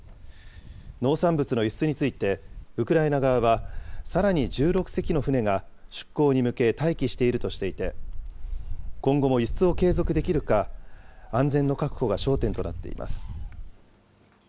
農産物の輸出について、ウクライナ側は、さらに１６隻の船が出港に向け待機しているとしていて、今後も輸出を継続できるか、安全の確保が焦点となっています。